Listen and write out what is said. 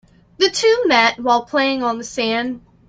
The two met while playing on the sand.